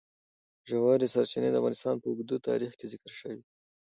ژورې سرچینې د افغانستان په اوږده تاریخ کې ذکر شوی دی.